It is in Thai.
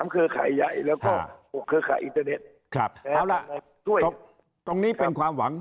เครือข่ายใหญ่แล้วก็๖เครือข่ายอินเทอร์เน็ตเอาล่ะด้วยตรงนี้เป็นความหวัง